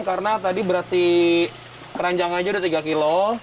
karena tadi berat si keranjangnya ada tiga kilo